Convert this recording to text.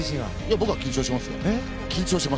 僕は緊張しますよ。